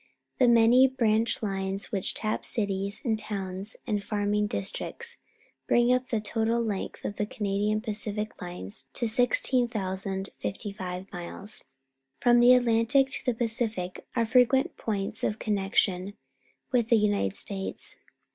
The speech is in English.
The many branch lines which tap cities and towns and farming districts bring up the total length of the Canadian Pacific Unes to 16,055 miles. From the Atlantic to the Pacific are frequent points of connection with the United States.